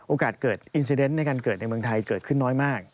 เกิดอินซีเดนต์ในการเกิดในเมืองไทยเกิดขึ้นน้อยมาก